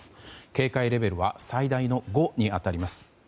警戒レベルは最大の５に当たります。